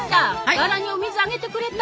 バラにお水あげてくれた？